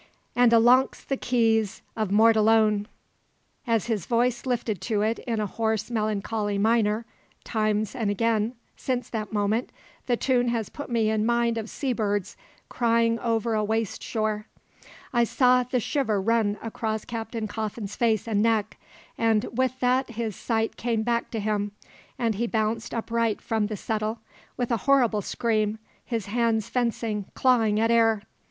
"'And alongst the Keys o' Mortallone!'" As his voice lifted to it in a hoarse melancholy minor (times and again since that moment the tune has put me in mind of sea birds crying over a waste shore), I saw the shiver run across Captain Coffin's face and neck, and with that his sight came back to him, and he bounced upright from the settle, with a horrible scream, his hands fencing, clawing at air.